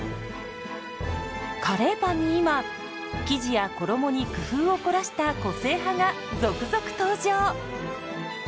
カレーパンに今生地や衣に工夫を凝らした個性派が続々登場！